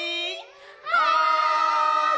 はい！